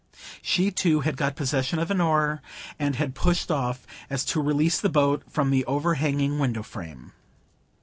She too had got possession of an oar, and had pushed off, so as to release the boat from the overhanging window frame.